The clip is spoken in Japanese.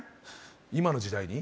今の時代に？